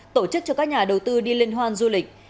tổ chức cho các nhà đầu tư đi liên hoan du lịch